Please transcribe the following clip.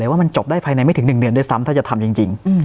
ว่ามันจบได้ภายในไม่ถึง๑เดือน